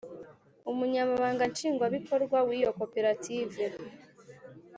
Umunyamabanga Nshingwabikorwa w iyo koperative